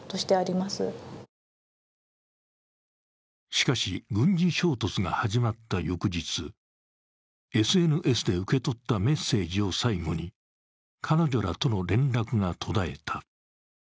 しかし、軍事衝突が始まった翌日、ＳＮＳで受け取ったメッセージを最後に彼女らとの連絡が途絶えた。